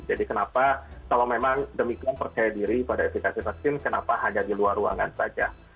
jadi kenapa kalau memang demikian percaya diri pada efek vaksin kenapa hanya di luar ruangan saja